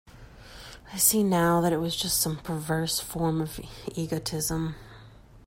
I see now that it was just some perverse form of egotism.